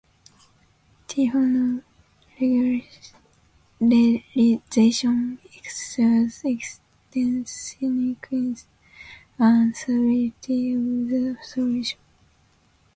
Tikhonov regularization ensures existence, uniqueness, and stability of the solution.